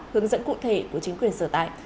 hướng dẫn cụ thể của chính quyền sửa tại